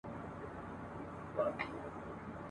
عقل چي پردی سي له زمان سره به څه کوو !.